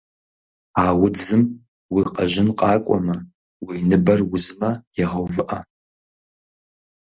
А удзым уи къэжьын къакӏуэмэ, уи ныбэр узмэ, егъэувыӏэ.